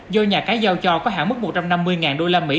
do nhà cái giao cho có hạ mức một trăm năm mươi đô la mỹ